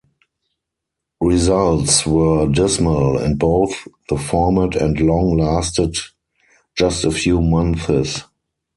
Results were dismal, and both the format and Long lasted just a few months.